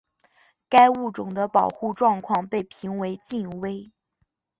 该物种的保护状况被评为近危。